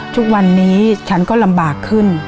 ทุกวันนี้ฉันก็ลำบากขึ้น